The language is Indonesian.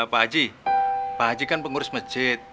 pak haji pak haji kan pengurus masjid